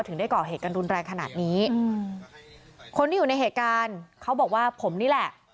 ได้ก่อเหตุกันรุนแรงขนาดนี้อืมคนที่อยู่ในเหตุการณ์เขาบอกว่าผมนี่แหละ